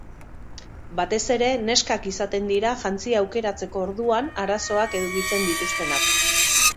Batez ere, neskak izaten dira jantzia aukeratzeko orduan arazoak edukitzen dituztenak.